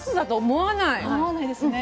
思わないですね。